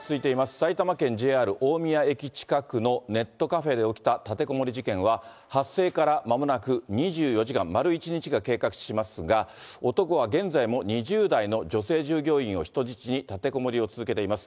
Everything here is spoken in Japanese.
埼玉県、ＪＲ大宮駅近くのネットカフェで起きた立てこもり事件は、発生からまもなく２４時間、丸一日が経過しますが、男は現在も２０代の女性従業員を人質に、立てこもりを続けています。